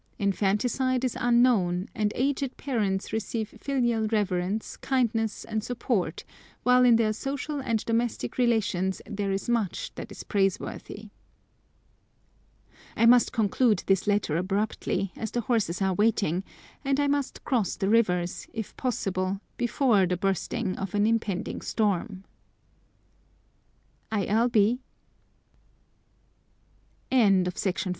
Infanticide is unknown, and aged parents receive filial reverence, kindness, and support, while in their social and domestic relations there is much that is praiseworthy. I must conclude this letter abruptly, as the horses are waiting, and I must cross the rivers, if possible, before the bursting of an impending storm. I. L. B. LETTER XXXVIII.